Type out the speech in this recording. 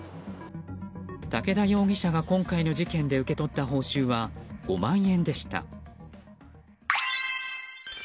武田容疑者は今回の事件で受け取った報酬は５万円でした。